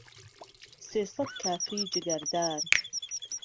سێ سەت کافری جگەردار